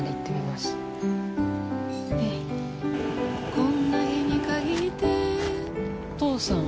こんな日に限って、お父さん？